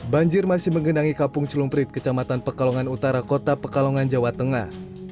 banjir masih menggenangi kampung celumprit kecamatan pekalongan utara kota pekalongan jawa tengah